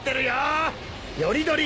より取り